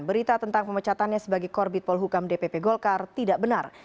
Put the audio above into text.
berita tentang pemecatannya sebagai korbit polhukam dpp golkar tidak benar